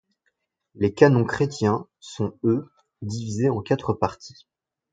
Les canons chrétiens sont eux divisés en quatre parties.